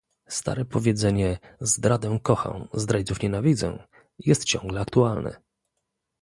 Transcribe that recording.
Stare powiedzenie "Zdradę kocham, zdrajców nienawidzę" jest ciągle aktualne